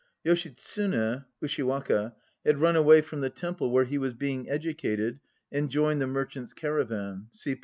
1 YoshitMine (Ushiwaka) had run away from the temple where he was being educated and joined the merchant's caravan; see p.